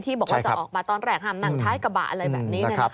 ที่บอกว่าจะออกมาตอนแรกหั่มหนังท้ายกระบะอะไรแบบนี้นะครับ